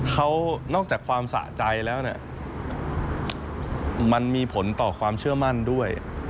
เขานอกจากความสะใจแล้วเนี่ยมันมีผลต่อความเชื่อมั่นด้วย